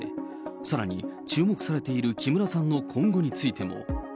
さらに、注目されている木村さんの今後についても。